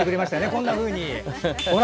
こんなふうに。